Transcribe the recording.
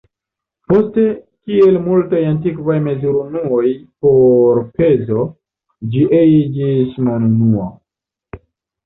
Poste, kiel multaj antikvaj mezurunuoj por pezoj, ĝi iĝis monunuo.